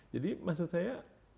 jadi maksud saya